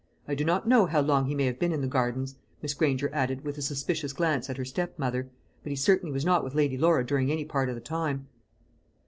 I do not know how long he may have been in the gardens," Miss Granger added, with a suspicious glance at her stepmother, "but he certainly was not with Lady Laura during any part of the time."